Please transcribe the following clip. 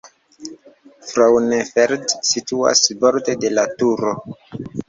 Frauenfeld situas borde de la Turo.